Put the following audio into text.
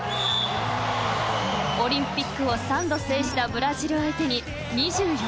［オリンピックを３度制したブラジル相手に］